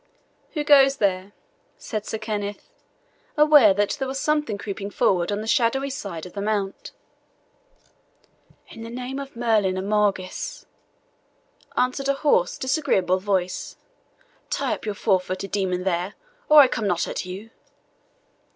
"Who goes there?" said Sir Kenneth, aware that there was something creeping forward on the shadowy side of the mount. "In the name of Merlin and Maugis," answered a hoarse, disagreeable voice, "tie up your fourfooted demon there, or I come not at you."